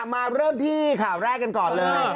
มาเริ่มที่ข่าวแรกกันก่อนเลย